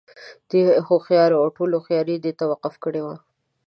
دى هوښيار وو او ټوله هوښياري یې دې ته وقف کړې وه.